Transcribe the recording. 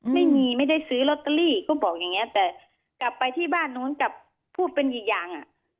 ไม่ได้ซื้อลอตเตอรี่ก็บอกอย่างนี้แต่กลับไปที่บ้านนู้นกลับพูดเป็นอีกอย่าง